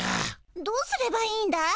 どうすればいいんだい？